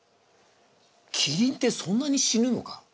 キリンってそんなに死ぬのか？